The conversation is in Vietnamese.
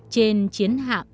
trên chiến hạm